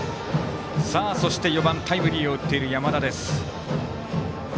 ４番タイムリーを打っている山田です。